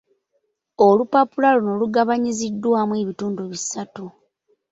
Olupapula luno lugabanyiziddwamu ebitundu bisatu.